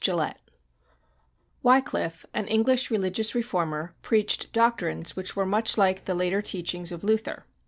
GILLETT [Wyclif, an English religious reformer, preached doctrines which were much like the later teachings of Luther.